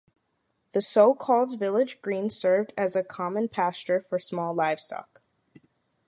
The so called village green served as a common pasture for small livestock.